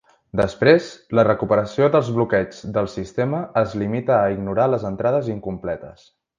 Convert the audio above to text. Després, la recuperació dels bloqueigs del sistema es limita a ignorar les entrades incompletes.